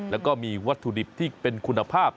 แล้วก็มีวัตถุดิบที่เป็นคุณภาพ